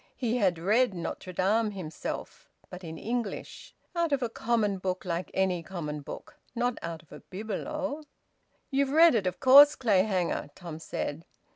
He had read "Notre Dame" himself, but in English, out of a common book like any common book not out of a bibelot. "You've read it, of course, Clayhanger?" Tom said.